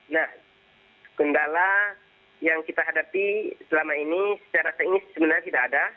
nah kendala yang kita hadapi selama ini secara teknis sebenarnya tidak ada